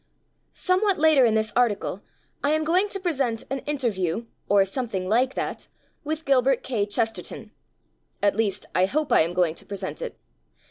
SOMEWHAT later in this article I am going to present an "inter view*' (or something like that) with Gilbert K Chesterton. At least I hope I am going to present it.